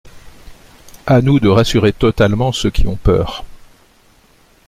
À nous de rassurer totalement ceux qui ont peur.